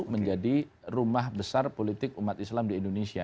menjadi rumah besar politik umat islam di indonesia